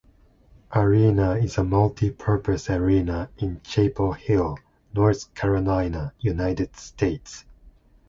Arena is a multi-purpose arena in Chapel Hill, North Carolina, United States.